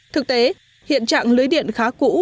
thực tế hiện trạng lưới điện khá cũ